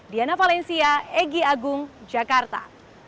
diana valencia egy agung jakarta